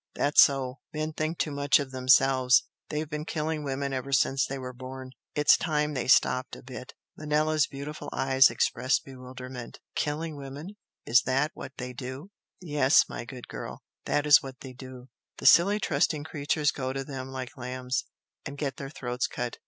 That's so! Men think too much of themselves they've been killing women ever since they were born it's time they stopped a bit." Manella's beautiful eyes expressed bewilderment. "Killing women? Is that what they do?" "Yes, my good girl! that is what they do! The silly trusting creatures go to them like lambs, and get their throats cut!